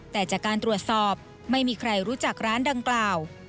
แต่จากการตรวจสอบไม่มีใครรู้จักร้านดังกล่าว